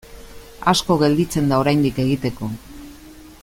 Asko gelditzen da oraindik egiteko.